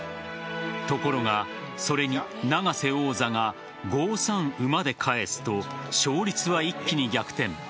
ところが、それに永瀬王座が５三馬で返すと勝率は一気に逆転。